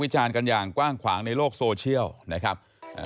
จารณ์กันอย่างกว้างขวางในโลกโซเชียลนะครับ